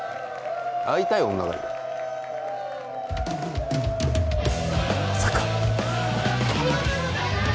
会いたい女がいるまさかありがとうございました